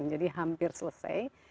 jadi hampir selesai